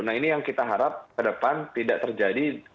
nah ini yang kita harap ke depan tidak terjadi